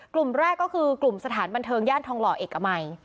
กลุ่มแรกก็คือกลุ่มสถานบันเทิงย่านทองหล่อเอกมัย